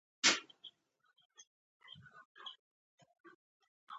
دوی هلته پوځي اډې لري.